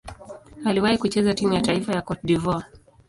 Aliwahi kucheza timu ya taifa ya Cote d'Ivoire.